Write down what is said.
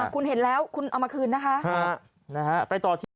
คุณเห็นแล้วคุณเอามาคืนนะคะ